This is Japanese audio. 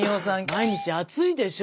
毎日暑いでしょ？